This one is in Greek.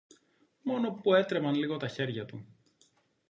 Μόνο που έτρεμαν λίγο τα χέρια του